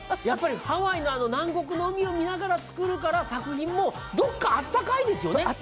やっぱりハワイの南国の海を見ながら作るから作品もどこか温かいですよね。